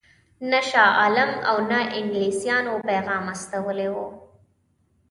نه شاه عالم او نه انګلیسیانو پیغام استولی وو.